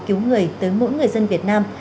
cứu người tới mỗi người dân việt nam